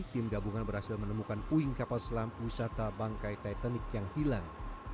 tim gabungan berhasil menemukan puing kapal selam wisata bangkai titanic yang hilang